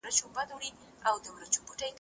کندهاري انګور څنګه ساتل کيږي؟